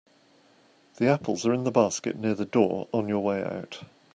The apples are in the basket near the door on your way out.